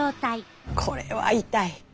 これは痛い。